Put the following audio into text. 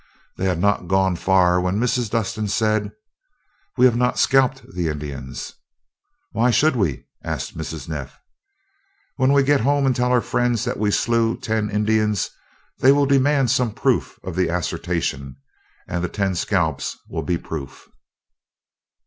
They had not gone far, when Mrs. Dustin said: "We have not scalped the Indians." "Why should we?" asked Mrs. Neff. "When we get home and tell our friends that we three slew ten Indians, they will demand some proof of the assertion, and the ten scalps will be proof."